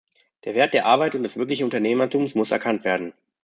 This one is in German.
Der Wert der Arbeit und des wirklichen Unternehmertums muss erkannt werden.